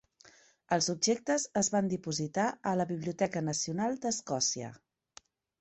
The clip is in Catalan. Els objectes es van dipositar a la Biblioteca Nacional d'Escòcia.